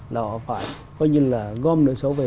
là họ phải gom nợ xấu về